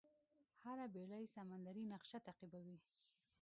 هره بېړۍ سمندري نقشه تعقیبوي.